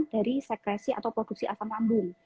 dari sekresi atau produksi asam lambung